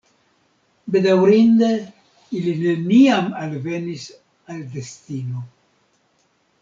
Bedaŭrinde, ili neniam alvenis al destino.